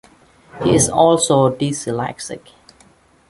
He is also dyslexic.